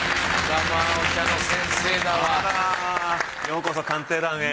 あらようこそ「鑑定団」へ。